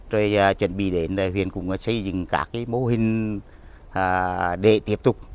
rồi chuẩn bị đến huyện cũng xây dựng các mô hình để tiếp tục